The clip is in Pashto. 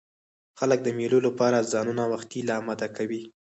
خلک د مېلو له پاره ځانونه وختي لا اماده کوي.